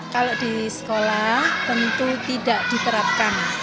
kalau di sekolah tentu tidak diterapkan